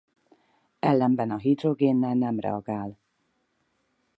Ellenben a hidrogénnel nem reagál.